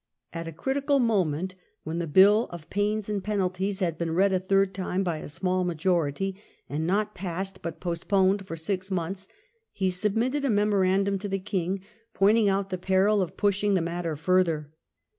At a criti cal moment, when the Bill of Pains and Penalties had been read a third time by a small majority, and not passed but postponed for six months, he submitted a memorandum to the King, pointing out the peril of pushing the matter further.